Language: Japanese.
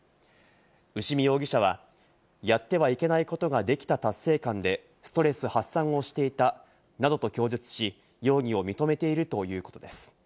牛見容疑者は、やってはいけないことができた達成感でストレス発散をしていたなどと供述し、容疑を認めているということです。